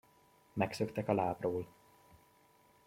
Megszöktek a lápról!